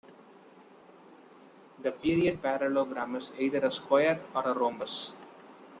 The period parallelogram is either a square or a rhombus.